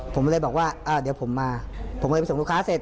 ผมเลยบอกว่าเดี๋ยวผมมาผมก็เลยไปส่งลูกค้าเสร็จ